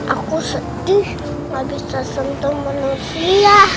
aku sedih gak bisa sentuh manusia